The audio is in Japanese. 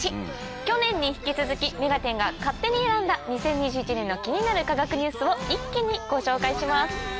去年に引き続き『目がテン！』が勝手に選んだ２０２１年の気になる科学ニュースを一気にご紹介します。